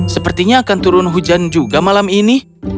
sepertinya akan turun hujan juga malam ini